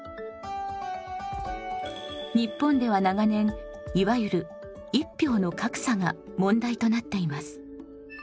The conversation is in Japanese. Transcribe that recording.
日本では長年いわゆる「一票の格差」が問題となっています。